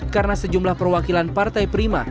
karena sejumlah perwakilan partai prima